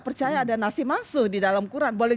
percaya ada nasi masuk di dalam quran boleh